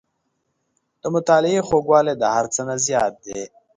• د مطالعې خوږوالی د هر څه نه زیات دی.